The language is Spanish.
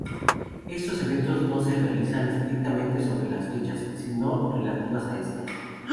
Estos eventos no se realizan estrictamente sobre las fechas sino relativas a estas.